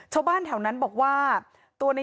ชาวบ้านแถวนั้นบอกว่าตัวใน